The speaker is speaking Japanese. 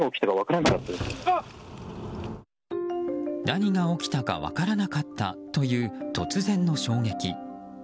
何が起きたか分からなかったという突然の衝撃。